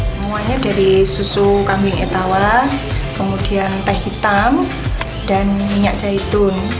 semuanya dari susu kambing etawa kemudian teh hitam dan minyak zaitun